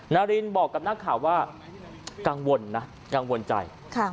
นารินบอกกับนักข่าวว่ากังวลนะกังวลใจ